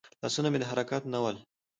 لاسونه مې د حرکت نه ول.